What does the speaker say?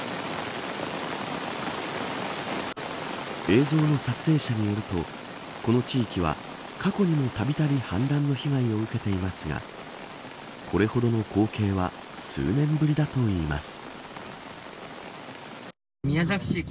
映像の撮影者によるとこの地域は、過去にもたびたび氾濫の被害を受けていますがこれほどの光景は数年ぶりだといいます。